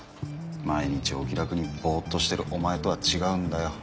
毎日お気楽にぼっとしてるお前とは違うんだよ。